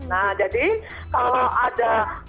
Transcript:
nah jadi kalau ada